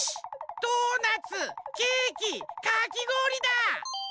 ドーナツケーキかきごおりだ！